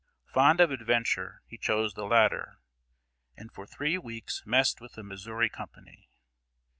Fond of adventure, he chose the latter, and for three weeks messed with a Missouri company.